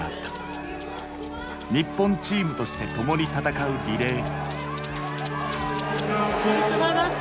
日本チームとして共に戦うリレー。